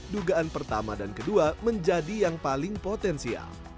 dugaan pertama dan kedua menjadi yang paling potensial